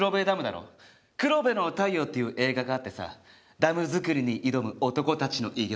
「黒部の太陽」っていう映画があってさダム造りに挑む男たちの偉業。